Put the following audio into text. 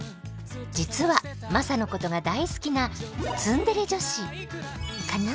実はマサのことが大好きなツンデレ女子カナ？